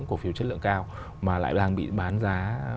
cổ phiếu chất lượng cao mà lại đang bị bán giá